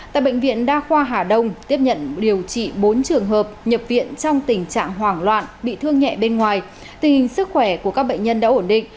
tại bệnh viện đa khoa hà đông tiếp nhận điều trị bốn trường hợp nhập viện trong tình trạng hoảng loạn bị thương nhẹ bên ngoài tình hình sức khỏe của các bệnh nhân đã ổn định